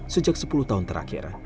sejak sepuluh tahun terakhir